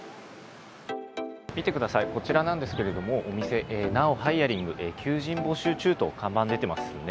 見てください、こちらなんですけれども、お店、ナウ・ハイアリング、求人募集中と看板出てますよね。